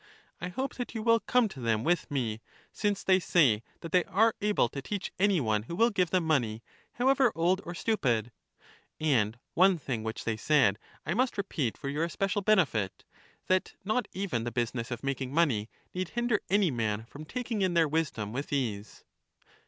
I hope that you will come to them with me, since they say that they are able to teach any one who will give them money, however old or stupid. And one thing which they said I must repeat for your especial bene fit, — that not even the business of making money need hinder any man from taking in their wisdom with ease.